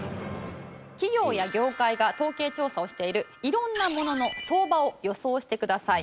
企業や業界が統計調査をしている色んなものの相場を予想してください。